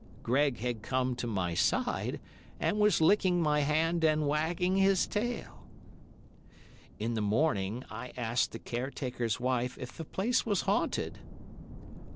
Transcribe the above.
Greg had come to my side and was licking my hand and wagging his tail. "In the morning I asked the caretaker's wife if the place was haunted.